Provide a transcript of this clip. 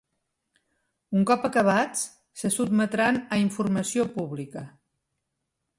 Un cop acabats, se sotmetran a informació pública.